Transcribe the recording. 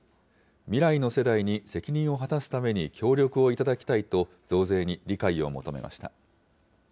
未来の世代に責任を果たすために協力を頂きたいと、増税に理解を求めました。